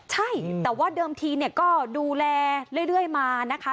ใช่แต่ว่าเดิมทีก็ดูแลเรื่อยมานะคะ